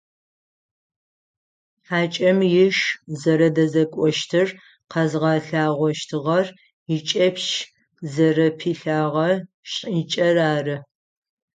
Хьакӏэм иш зэрэдэзекӏощтыр къэзгъэлъагъощтыгъэр икӏэпщ зэрэпилъэгъэ шӏыкӏэр ары.